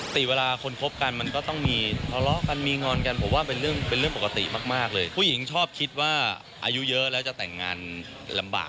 ปกติเวลาคนคบกันมันก็ต้องมีทะเลาะกันมีงอนกันผมว่าเป็นเรื่องเป็นเรื่องปกติมากมากเลยผู้หญิงชอบคิดว่าอายุเยอะแล้วจะแต่งงานลำบาก